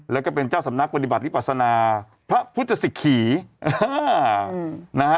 แล้วก็เป็นเจ้าสำนักปฏิบัติวิปัสนาพระพุทธศิกขีนะฮะ